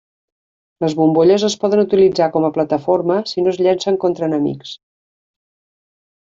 Les bombolles es poden usar com a plataforma si no es llencen contra enemics.